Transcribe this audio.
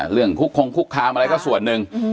คุกคงคุกคามอะไรก็ส่วนหนึ่ง